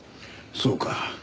そうか。